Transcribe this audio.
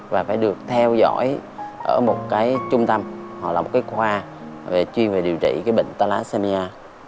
và phải được theo dõi ở một cái trung tâm hoặc là một cái khoa chuyên về điều trị cái bệnh talla